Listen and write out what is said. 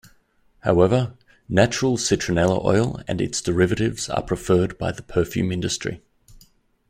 However, natural citronella oil and its derivatives are preferred by the perfume industry.